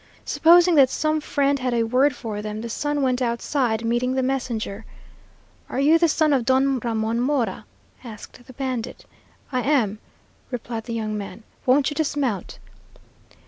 Supposing that some friend had a word for them, the son went outside, meeting the messenger. "Are you the son of Don Ramon Mora?" asked the bandit. "I am," replied the young man; "won't you dismount?"